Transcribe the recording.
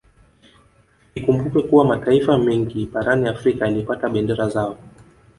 Ikumbukwe kuwa mataifa mengi barani Afrika yalipata bendera zao